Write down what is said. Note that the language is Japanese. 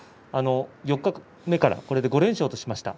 四日目からこれで５連勝としました。